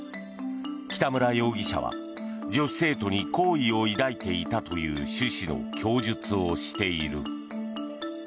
北村容疑者は女子生徒に好意を抱いていたという趣旨の供述をしている。